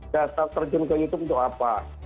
dasar terjun ke youtube itu apa